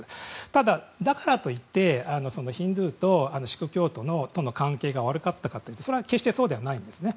ただ、だからといってヒンドゥーとシーク教徒の関係が悪かったかというと決してそうではないんですね。